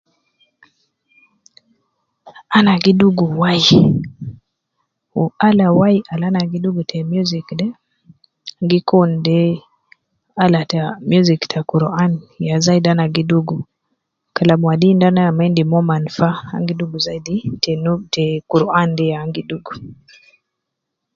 Ana gi dugu wai, wu ala wai al ana gi dugu te muzik de gikun de ala ta muzik ta Quran, ya zaidi ana gi dugu, kalam wadin de ana ma endi mo man faa, angi dugu zaidi te nu tee Quran de ya ana gi dugu